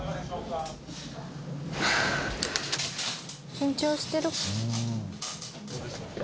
緊張してる。